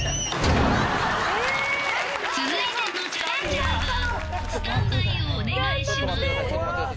続いてのチャレンジャーは、スタンバイをお願いします。